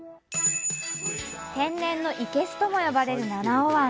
天然の生けすとも呼ばれる七尾湾。